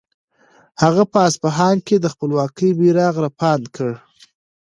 هغه په اصفهان کې د خپلواکۍ بیرغ رپاند کړ.